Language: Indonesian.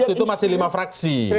waktu itu masih lima fraksi